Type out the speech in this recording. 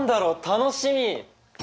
楽しみ！